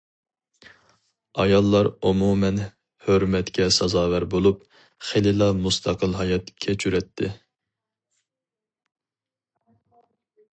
ئاياللار ئومۇمەن ھۆرمەتكە سازاۋەر بولۇپ، خېلىلا مۇستەقىل ھايات كەچۈرەتتى.